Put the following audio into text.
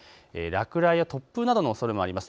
落雷や突風などのおそれもあります。